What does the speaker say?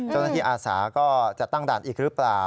เจ้าหน้าที่อาสาก็จะตั้งด่านอีกหรือเปล่า